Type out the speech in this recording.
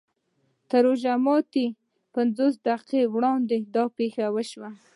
تر روژه ماتي پینځلس دقیقې وړاندې دا پېښه وشوه.